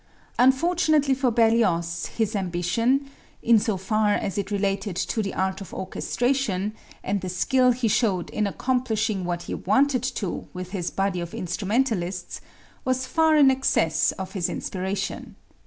Unfortunately for Berlioz, his ambition, in so far as it related to the art of orchestration and the skill he showed in accomplishing what he wanted to with his body of instrumentalists, was far in excess of his inspiration.